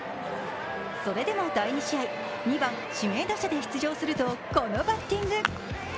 それでも第２試合、２番・指名打者で出場するとこのバッティング。